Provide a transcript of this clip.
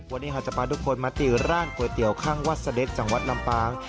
วันนี้หากจะพาทุกคนมาติร้านก๋วยเตี๋ยวข้างวัดเสด็จจังหวัดลำปาง